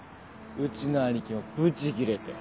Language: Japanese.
うちの兄貴もブチギレて